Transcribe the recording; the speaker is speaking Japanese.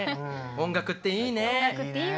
音楽っていいよね。